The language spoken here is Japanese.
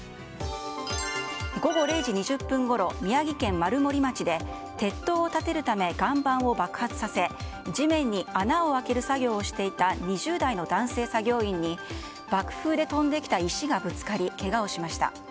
午後０時２０分ごろ宮城県丸森町で鉄塔を立てるため岩盤を爆発させ地面に穴を開ける作業をしていた２０代の男性作業員に爆風で飛んできた石がぶつかりけがをしました。